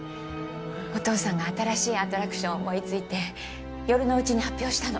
お父さんが新しいアトラクションを思い付いて夜のうちに発表したの。